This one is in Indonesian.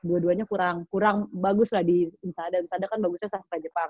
dua duanya kurang bagus lah di insada insada kan bagusnya sahabat jepang